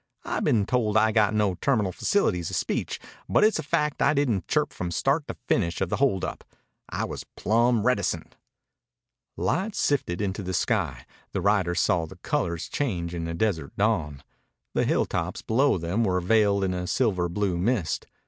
I been told I got no terminal facilities of speech, but it's a fact I didn't chirp from start to finish of the hold up. I was plumb reticent." Light sifted into the sky. The riders saw the colors change in a desert dawn. The hilltops below them were veiled in a silver blue mist.